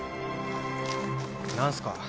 何すか？